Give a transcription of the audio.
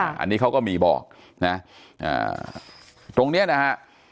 อันนี้เขาก็มีบอกนะตรงเนี้ยนะฮะ